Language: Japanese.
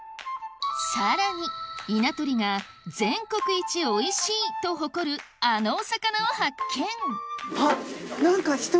さらに稲取が全国一おいしいと誇るあのお魚を発見あっ何か。